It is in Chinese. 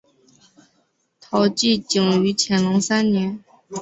陶绍景于乾隆三年。